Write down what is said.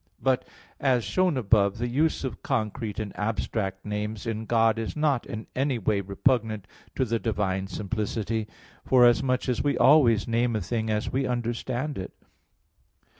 But, as shown above (Q. 3, A. 3, ad 1), the use of concrete and abstract names in God is not in any way repugnant to the divine simplicity; forasmuch as we always name a thing as we understand it.